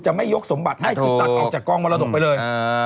จะไม่ยกสมบัติให้คุณตัดออกจากกล้องมรดกไปเลย